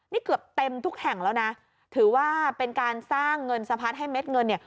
นี่เกือบเต็มทุกแห่งแล้วนะถือว่าเป็นการสร้างเงินสะพัดให้เม็ดเงินเนี่ย